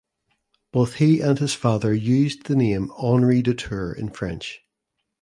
Both he and his father used the name "Henri du Tour" in French.